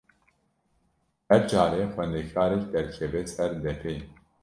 Her carê xwendekarek derdikeve ser depê.